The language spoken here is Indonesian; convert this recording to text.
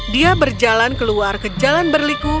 dia berjalan keluar ke jalan berliku